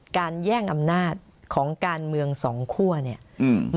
แย่งอำนาจของการเมืองสองคั่วเนี่ยอืม